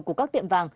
của các tiệm vàng